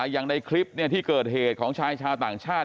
อย่างในคลิปที่เกิดเหตุของชายชาวต่างชาติ